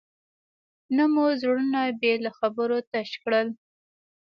نه مو زړونه بې له خبرو تش کړل.